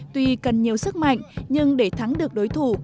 tuy cần nhiều sức mạnh nhưng để thắng được đối thủ